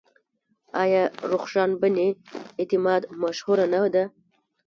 آیا رخشان بني اعتماد مشهوره نه ده؟